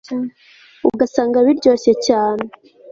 ugasanga biryoshye cyane